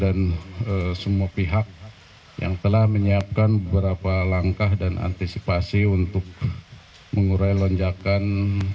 semua pihak yang telah menyiapkan beberapa langkah dan antisipasi untuk mengurai lonjakan